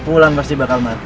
ulan pasti bakal mati